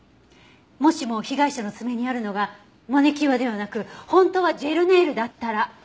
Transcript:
もしも被害者の爪にあるのがマニキュアではなく本当はジェルネイルだったら？